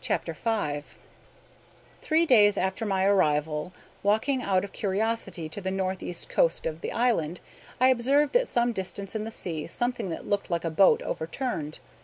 CHAPTER V Three days after my arrival, walking out of curiosity to the northeast coast of the island, I observed at some distance in the sea something that looked like a boat overturned.